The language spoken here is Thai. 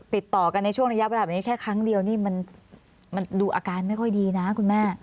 ติดต่อกันในช่วงระยะเวลาแบบนี้แค่ครั้งเดียวนี่มันดูอาการไม่ค่อยดีนะคุณแม่